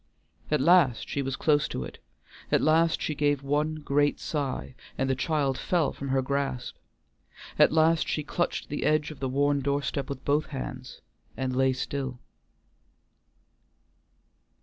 At last she was close to it; at last she gave one great sigh, and the child fell from her grasp; at last she clutched the edge of the worn doorstep with both hands, and lay still.